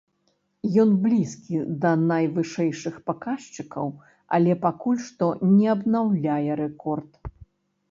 Ён блізкі да найвышэйшых паказчыкаў, але пакуль што не абнаўляе рэкорд.